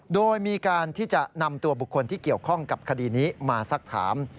โดยมีการที่จะนำตัวบุคคลที่เกี่ยวข้องกับคดีนี้มาสักถาม